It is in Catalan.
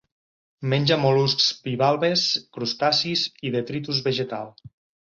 Menja mol·luscs bivalves, crustacis i detritus vegetal.